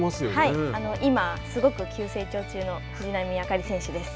今、すごく急成長中の藤波朱理選手です。